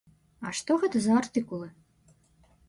А што гэта за артыкулы?